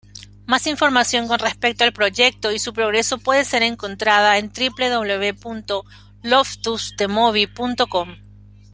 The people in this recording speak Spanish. Más información con respecto al proyecto y su progreso puede ser encontrada en www.loftusthemovie.com.